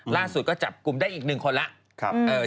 ล่าสุดก็จับกลุ่มได้อีก๑คนแล้ว